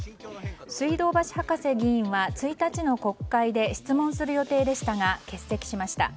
水道橋博士議員は１日の国会で質問する予定でしたが欠席しました。